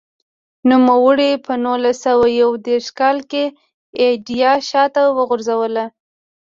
نوموړي په نولس سوه یو دېرش کال کې ایډیا شاته وغورځوله.